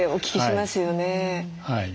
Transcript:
はい。